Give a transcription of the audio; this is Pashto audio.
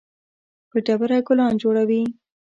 پر ډبره ګلان جوړوي